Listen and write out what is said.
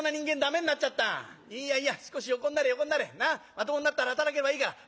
まともになったら働けばいいから。